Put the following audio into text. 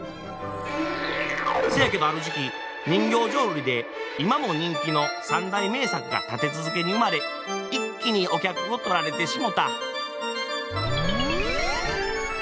そやけどある時期人形浄瑠璃で今も人気の三大名作が立て続けに生まれ一気にお客を取られてしもた。